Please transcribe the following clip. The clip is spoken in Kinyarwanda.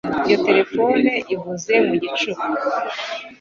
Iyo terefone ivuze mu gicuku